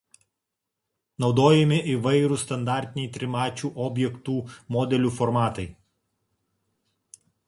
Naudojami įvairūs standartiniai trimačių objektų modelių formatai.